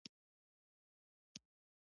نجلۍ د عزتمن ژوند سمبول ده.